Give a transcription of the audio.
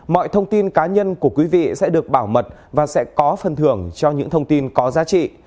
mọi thông tin cá nhân của quý vị sẽ được bảo mật và sẽ có phần thưởng cho những thông tin có giá trị